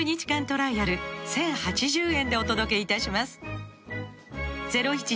トライアル１０８０円でお届けいたします